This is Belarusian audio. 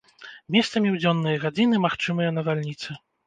Месцамі ў дзённыя гадзіны магчымыя навальніцы.